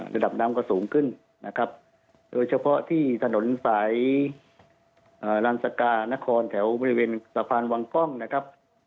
ระดับน้ำก็สูงขึ้นนะครับโดยเฉพาะที่ถนนสายรันสกานครแถวบริเวณสะพานวังกล้องนะครับ